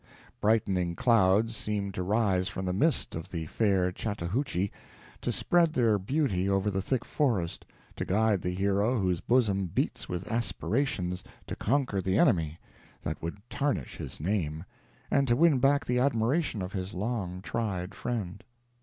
Brightening clouds seemed to rise from the mist of the fair Chattahoochee, to spread their beauty over the thick forest, to guide the hero whose bosom beats with aspirations to conquer the enemy that would tarnish his name, and to win back the admiration of his long tried friend.